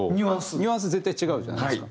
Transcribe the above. ニュアンス絶対違うじゃないですか。